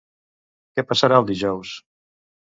Què passarà el dijous?